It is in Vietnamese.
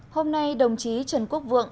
hôm nay đồng chí trần quốc vượng